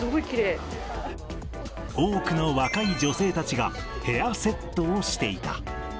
多くの若い女性たちが、ヘアセットをしていた。